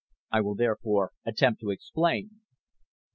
I will therefore attempt to explain.